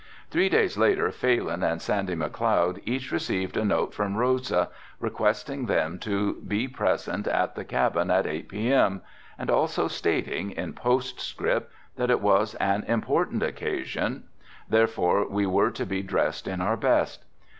Three days later Phalin and Sandy McLeod each received a note from Rosa requesting them to be present at the cabin at eight p.m., and also stating, in post script, that it was an important occasion, therefore we were to be dressed in our best.